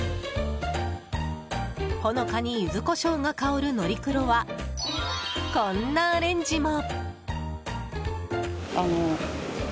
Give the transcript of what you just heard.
ほのかにユズコショウが香るのりクロは、こんなアレンジも。